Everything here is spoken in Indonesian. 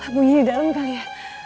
bunyinya di dalam kali ya